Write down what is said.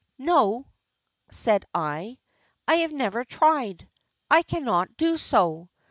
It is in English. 'No, said I, 'I have never tried. I cannot do so!